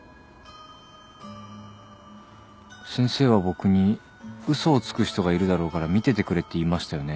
先生は僕に嘘をつく人がいるだろうから見ててくれって言いましたよね？